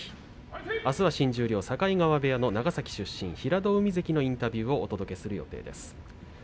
あすは新十両の境川部屋の長崎出身の平戸海関のインタビューをお送りします。